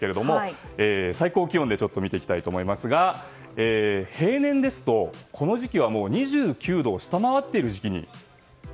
最高気温で見ていきたいと思いますが平年ですと、この時期は２９度を下回っている時期。